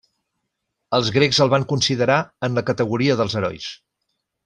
Els grecs el van considerar en la categoria dels herois.